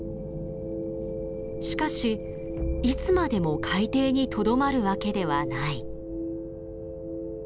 しかしいつまでも海底にとどまるわけではない。